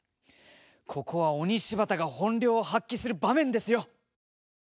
ここは「鬼柴田」が本領を発揮する場面ですよ！